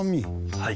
はい。